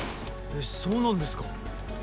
えっそうなんですか。